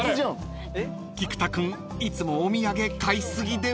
［菊田君いつもお土産買い過ぎでは？］